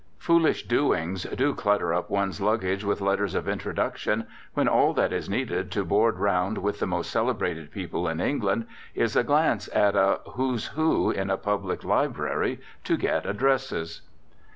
Foolish doings do clutter up one's luggage with letters of introduction when all that is needed to board round with the most celebrated people in England is a glance at a "Who's Who" in a public library to get addresses.